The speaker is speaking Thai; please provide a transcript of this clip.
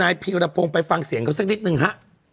พีรพงศ์ไปฟังเสียงเขาสักนิดนึงฮะ